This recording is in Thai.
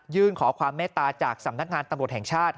ขอความเมตตาจากสำนักงานตำรวจแห่งชาติ